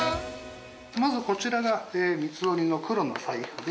まずこちらが、三つ折りの黒の財布で。